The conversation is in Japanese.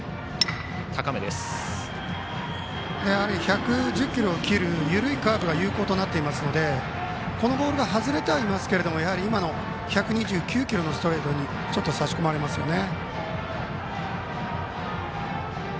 やはり１１０キロを切る緩いカーブが有効となっていますのでこのボールは外れてはいますけど今の１２９キロのストレートに差し込まれますよね。